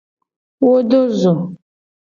Wo do zo.